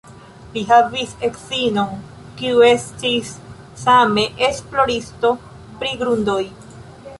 Li havis edzinon, kiu estis same esploristo pri grundoj.